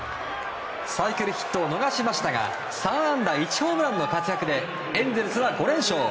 サイクルヒットを逃しましたが３安打１ホームランの活躍でエンゼルスは５連勝。